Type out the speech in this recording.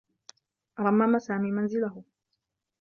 رمّم سامي منزله.